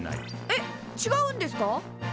えっちがうんですか？